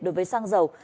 đối với xăng dầu